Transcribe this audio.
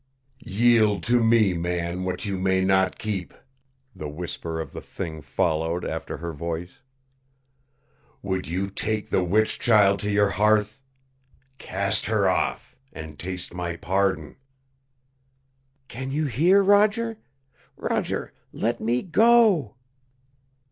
"Yield to me, Man, what you may not keep," the whisper of the Thing followed after her voice. "Would you take the witch child to your hearth? Cast her off; and taste my pardon." "Can you hear, Roger? Roger, let me go."